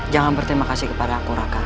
jangan berterima kasih kepada aku raka